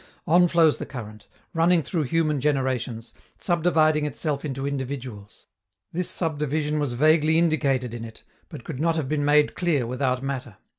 On flows the current, running through human generations, subdividing itself into individuals. This subdivision was vaguely indicated in it, but could not have been made clear without matter.